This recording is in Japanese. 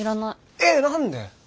えっ何で！